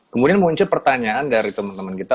kemudian muncul pertanyaan dari teman teman kita